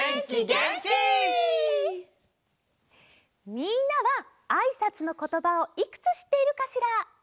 みんなはあいさつのことばをいくつしっているかしら？